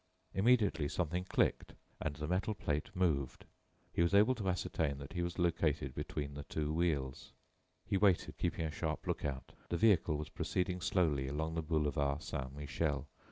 Immediately something clicked, and the metal plate moved. He was able to ascertain that he was located between the two wheels. He waited, keeping a sharp look out. The vehicle was proceeding slowly along the boulevard Saint Michel.